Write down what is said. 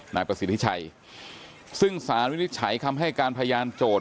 นายประสิทธิชัยซึ่งสารวินิจฉัยคำให้การพยานโจทย